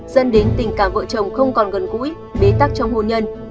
dân đến tình cảm vợ chồng không còn gần gũi bế tắc trong hôn nhân